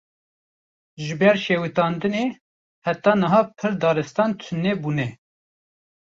Ji ber şewitandinê, heta niha pir daristan tune bûne